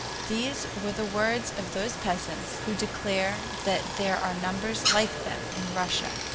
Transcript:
These were the words of those peasants, who declare that there are numbers like them Russia.